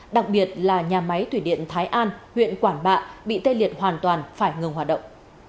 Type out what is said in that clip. đặc biệt là nhà máy thủy điện thái an huyện quảng bạ bị tê liệt hoàn toàn phải ngừng hoạt động